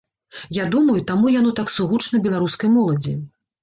Я думаю, таму яно так сугучна беларускай моладзі.